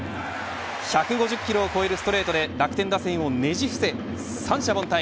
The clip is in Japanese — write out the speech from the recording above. １５０キロを超えるストレートで楽天打線をねじ伏せ三者凡退。